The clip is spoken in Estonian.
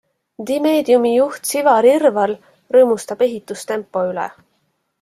Dimediumi juht Sivar Irval rõõmustab ehitustempo üle.